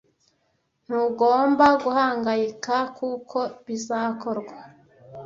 ntugomba guhangayika kuko bizakorwa